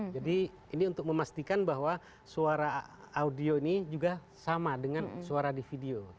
jadi ini untuk memastikan bahwa suara audio ini juga sama dengan suara di video